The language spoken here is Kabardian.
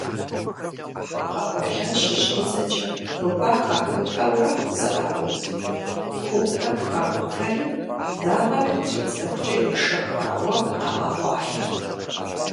Къэкъуэлъэн щыщӏидзэкӏэ крупа хакӏутэурэ зэӏауд, хугу тӏэкӏу хакӏутэри дагъэ къытридзэхукӏэ ешэхауэ къагъэкъуалъэрт.